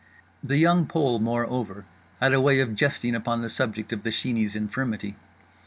The Young Pole moreover had a way of jesting upon the subject of The Sheeney's infirmity.